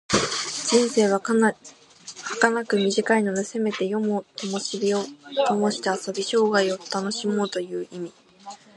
人生ははかなく短いので、せめて夜も灯をともして遊び、生涯を楽しもうという意味。